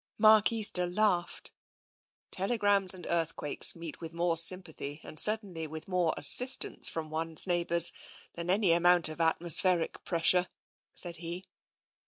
Mark Easter laughed. " Telegrams and earthquakes meet with more sym pathy, and certainly with more assistance, from one's neighbours, than any amount of atmospheric pressure," said he.